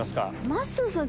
まっすーさん